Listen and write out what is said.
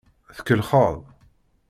Tkellxeḍ.